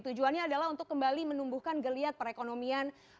tujuannya adalah untuk kembali menumbuhkan geliat perekonomian